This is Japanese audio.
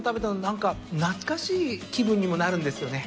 何か懐かしい気分にもなるんですよね。